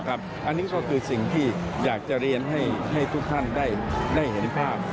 อันนี้ก็คือสิ่งที่อยากจะเรียนให้ทุกท่านได้เห็นภาพ